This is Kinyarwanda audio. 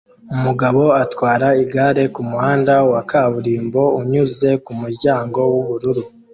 Umugabo atwara igare kumuhanda wa kaburimbo unyuze kumuryango wubururu